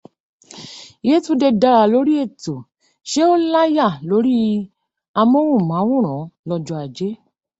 Yẹ́túndé dárà lórí ètò ṣé o láyà lóri amúnùmáwòran lọ́jọ́ Ajẹ́.